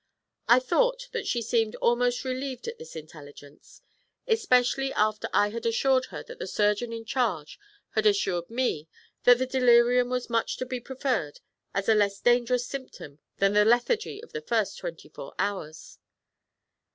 I thought that she seemed almost relieved at this intelligence, especially after I had assured her that the surgeon in charge had assured me that the delirium was much to be preferred as a less dangerous symptom than the lethargy of the first twenty four hours.